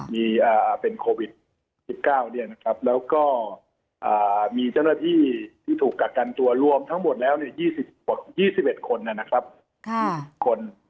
มีเป็นโควิด๑๙แล้วก็มีเจ้าหน้าที่ที่ถูกกักกันตัวรวมทั้งหมดแล้ว๒๑คนนะครับคน